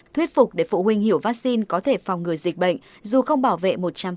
thuyết phục để phụ huynh hiểu vaccine có thể phòng ngừa dịch bệnh dù không bảo vệ một trăm linh